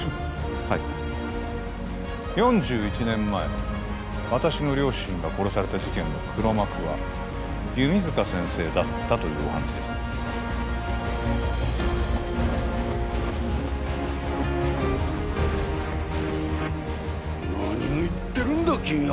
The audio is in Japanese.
はい４１年前私の両親が殺された事件の黒幕は弓塚先生だったというお話です何を言ってるんだ君は！